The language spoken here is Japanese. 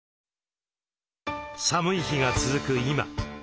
寒い日が続く今。